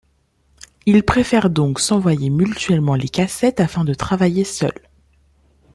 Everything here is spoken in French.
Ils préférent donc s'envoyer mutuellement les cassettes afin de travailler seuls.